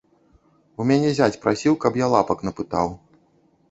У мяне зяць прасіў, каб я лапак напытаў.